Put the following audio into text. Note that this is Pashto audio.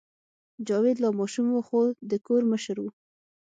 جاوید لا ماشوم و خو د کور مشر و